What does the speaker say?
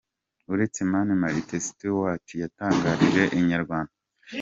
Uretse Mani Martin, Stewart yatangarije inyarwanda.